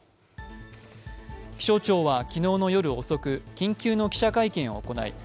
気象庁は昨日の夜遅く緊急の記者会見を行い